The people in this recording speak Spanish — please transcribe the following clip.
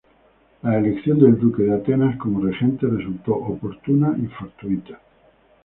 La elección del duque de Atenas como regente resultó oportuna y fortuita.